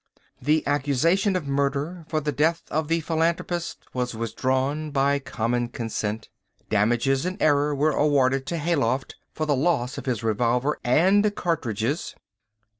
The accusation of murder for the death of the philanthropist was withdrawn by common consent. Damages in error were awarded to Hayloft for the loss of his revolver and cartridges.